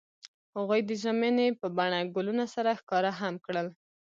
هغوی د ژمنې په بڼه ګلونه سره ښکاره هم کړه.